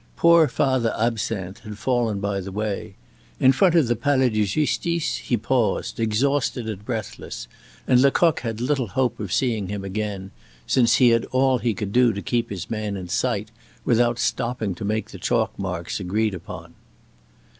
Poor Father Absinthe had fallen by the way. In front of the Palais de Justice he paused, exhausted and breathless, and Lecoq had little hope of seeing him again, since he had all he could do to keep his man in sight without stopping to make the chalk marks agreed upon.